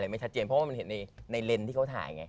แต่ไม่ชัดเจนเพราะว่าเทอมมันเห็นในเลนที่เค้าถ่าย